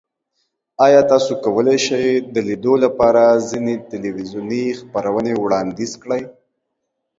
ایا تاسو کولی شئ د لیدو لپاره ځینې تلویزیوني خپرونې وړاندیز کړئ؟